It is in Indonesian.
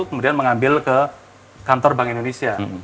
kemudian mengambil ke kantor bank indonesia